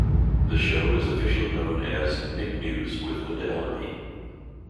The show is officially known as "Nick News with Linda Ellerbee".